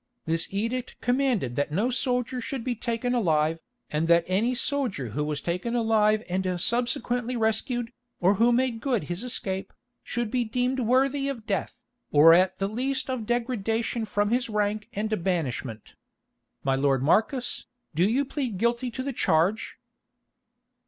This edict commanded that no soldier should be taken alive, and that any soldier who was taken alive and subsequently rescued, or who made good his escape, should be deemed worthy of death, or at the least of degradation from his rank and banishment. My lord Marcus, do you plead guilty to the charge?"